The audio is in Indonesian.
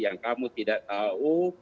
yang kamu tidak tahu